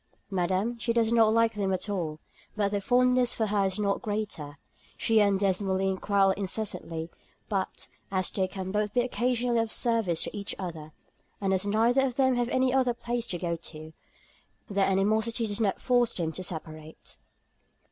"Madam, she does not like them at all; but their fondness for her is not greater. She and Desmoulins quarrel incessantly; but as they can both be occasionally of service to each other, and as neither of them have any other place to go to, their animosity does not force them to separate."